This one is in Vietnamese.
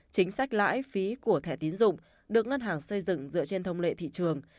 chính sách lãi phí của thẻ tiến dụng được ngân hàng xây dựng dựa trên thông lệ thị trường